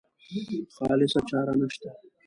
خالصه چاره نشته.